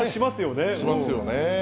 しますよね。